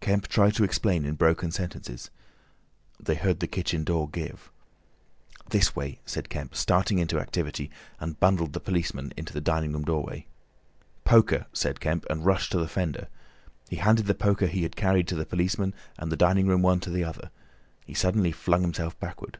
Kemp tried to explain in broken sentences. They heard the kitchen door give. "This way," said Kemp, starting into activity, and bundled the policemen into the dining room doorway. "Poker," said Kemp, and rushed to the fender. He handed the poker he had carried to the policeman and the dining room one to the other. He suddenly flung himself backward.